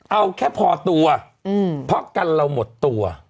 เอาแค่พอตัวเพราะกันเราหมดตัว